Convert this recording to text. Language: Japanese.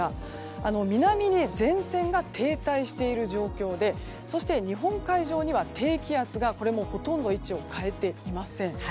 南に前線が停滞している状況でそして、日本海上には低気圧がこれもほとんど位置を変えていません。